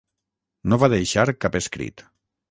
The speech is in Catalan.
No va deixar cap escrit.